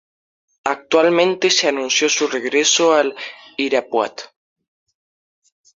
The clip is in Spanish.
Actualmente se anunció su regreso al Irapuato.